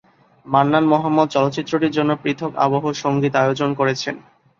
মান্নান মোহাম্মদ চলচ্চিত্রটির জন্য পৃথক আবহ সঙ্গীতায়োজন করেছেন।